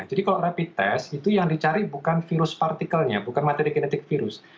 jadi kalau rapid test itu yang dicari bukan virus partikelnya bukan materi kinetik virus